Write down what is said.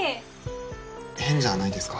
変じゃないですか？